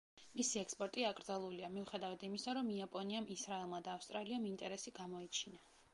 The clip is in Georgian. მისი ექსპორტი აკრძალულია, მიუხედევად იმისა, რომ იაპონიამ, ისრაელმა და ავსტრალიამ ინტერესი გამოიჩინა.